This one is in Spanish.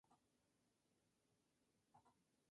Gangan Wing